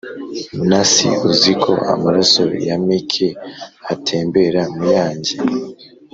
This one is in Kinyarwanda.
nasi uziko amaraso ya mike atembera muyange